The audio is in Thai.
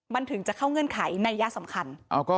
มันถึงจะเข้าเงื่อนไขในัยยะสำคัญ